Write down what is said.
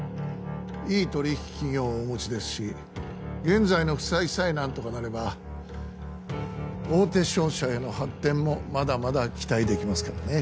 いい取引企業をお持ちですし現在の負債さえ何とかなれば大手商社への発展もまだまだ期待できますからね